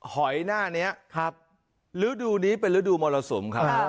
หอยหน้านี้ครับฤดูนี้เป็นฤดูมรสุมครับ